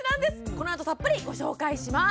このあとたっぷりご紹介します！